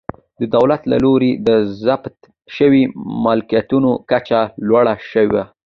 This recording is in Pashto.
د دولت له لوري د ضبط شویو ملکیتونو کچه لوړه شوه